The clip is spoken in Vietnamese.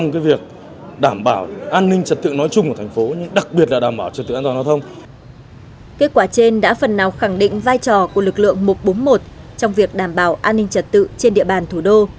kết quả trên đã phần nào khẳng định vai trò của lực lượng một trăm bốn mươi một trong việc đảm bảo an ninh trật tự trên địa bàn thủ đô